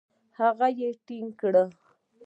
هغه يې ټينګه کړه.